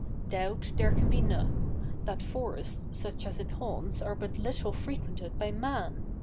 Doubt there can be none, that forests such as it haunts are but little frequented by man!